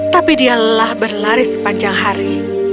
tapi dia lelah berlari sepanjang hari